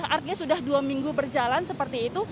artinya sudah dua minggu berjalan seperti itu